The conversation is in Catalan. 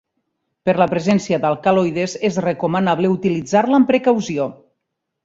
Per la presència d'alcaloides és recomanable utilitzar-la amb precaució.